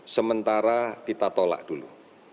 sementara kita tolak dulu